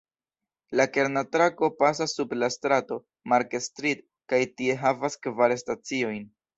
La kerna trako pasas sub la strato "Market Street" kaj tie havas kvar staciojn.